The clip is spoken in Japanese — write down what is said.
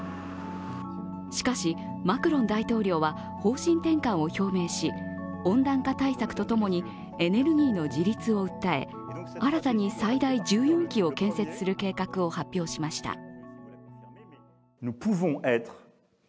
しかし、マクロン大統領は方針転換を表明し、温暖化対策とともにエネルギーの自立を訴え新たに最大１４基を建設する計画を発表しました。